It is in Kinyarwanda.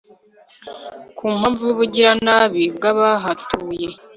ku mpamvu y'ubugiranabi bw'abahatuye